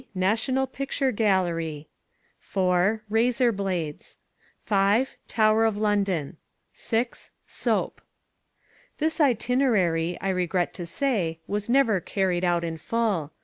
National Picture Gallery. 4. Razor blades. 5. Tower of London. 6. Soap. This itinerary, I regret to say, was never carried out in full.